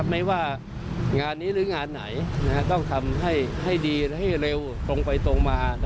ไม่ว่างานนี้หรืองานไหนต้องทำให้ดีให้เร็วตรงไปตรงมา